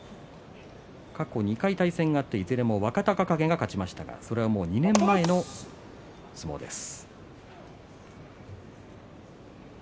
過去２回対戦があっていずれも若隆景が勝ちましたがそれはもう２年前の相撲です。